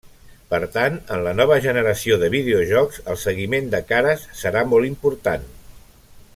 Per tant, en la nova generació de videojocs el seguiment de cares serà molt important.